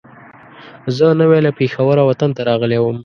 زه نوی له پېښوره وطن ته راغلی وم.